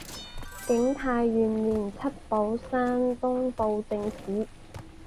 景泰元年出补山东布政使。